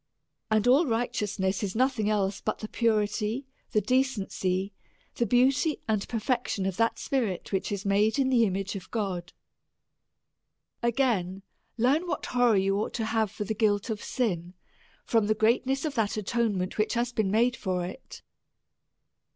And all righteousness is nothing else but the purity, the decency, the beauty and perfection of that spirit^ which is made in the image of God, 33^ A SERIOUS CALL TO A Again ; Learn what horror you ought to have for the guilt of sin, from the greatness of that atonement which has been made for it.